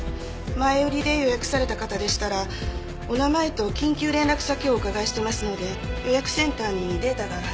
前売りで予約された方でしたらお名前と緊急連絡先をお伺いしてますので予約センターにデータがあるはずです。